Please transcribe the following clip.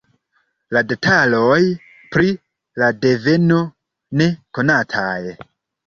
La detaloj pri la deveno ne konataj.